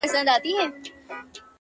دا رومانتيك احساس دي خوږ دی گراني ـ